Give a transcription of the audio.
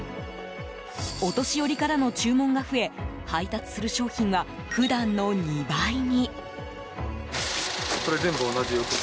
お年寄りからの注文が増え配達する商品は普段の２倍に。